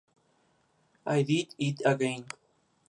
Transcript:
I Did It Again".